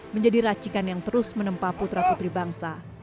menjadi racikan yang terus menempa putra putri bangsa